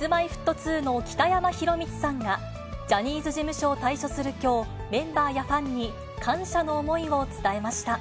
Ｋｉｓ−Ｍｙ−Ｆｔ２の北山宏光さんが、ジャニーズ事務所を退所するきょう、メンバーやファンに感謝の思いを伝えました。